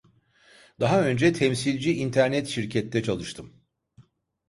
Daha önce. Temsilci internet şirkette çalıştım.